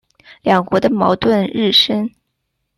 两国的矛盾日深。